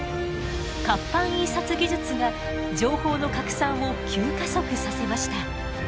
活版印刷技術が情報の拡散を急加速させました。